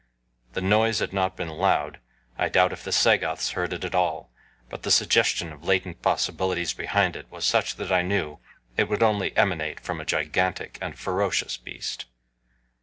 The noise had not been loud I doubt if the Sagoths heard it at all but the suggestion of latent possibilities behind it was such that I knew it would only emanate from a gigantic and ferocious beast.